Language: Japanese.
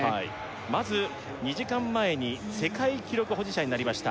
まず２時間前に世界記録保持者になりました